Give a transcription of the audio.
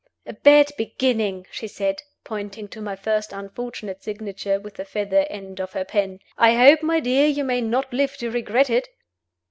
"A bad beginning!" she said, pointing to my first unfortunate signature with the feather end of her pen. "I hope, my dear, you may not live to regret it."